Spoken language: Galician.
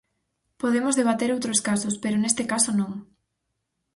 Podemos debater outros casos, pero neste caso, non.